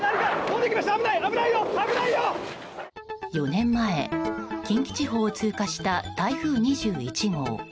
４年前、近畿地方を通過した台風２１号。